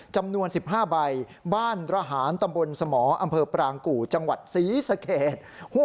จำนวน๑๕ใบบ้านระหารตำบลสมอำเภอปรางกู่จังหวัดศรีสเกต